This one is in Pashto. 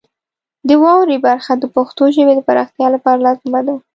د واورئ برخه د پښتو ژبې د پراختیا لپاره لازمه ده.